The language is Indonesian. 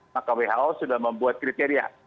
maka who sudah membuat kriteria